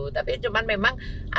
tapi cuman memang